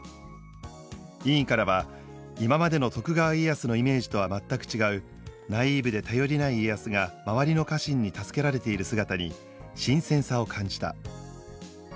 委員からは「今までの徳川家康のイメージとは全く違うナイーブで頼りない家康が周りの家臣に助けられている姿に新鮮さを感じた」。